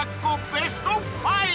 ベスト５！